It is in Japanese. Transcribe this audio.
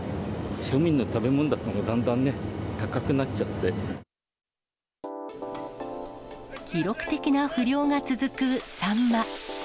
庶民の食べ物だったのがだん記録的な不漁が続くサンマ。